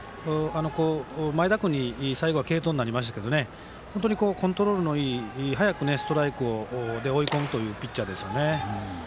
前田君に最後、継投になりましたけど本当にコントロールのいい早くストライクで追い込むというピッチャーですね。